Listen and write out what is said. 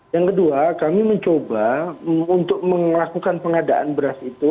yang kedua kami mencoba untuk melakukan pengadaan beras itu